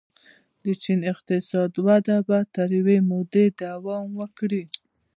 د چین اقتصادي وده به تر یوې مودې دوام وکړي.